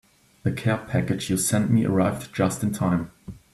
The care package you sent me arrived just in time.